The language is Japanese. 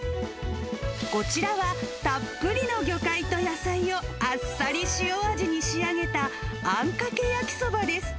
こちらは、たっぷりの魚介と野菜をあっさり塩味に仕上げた、あんかけ焼きそばです。